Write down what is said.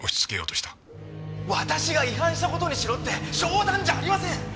私が違反した事にしろって冗談じゃありません！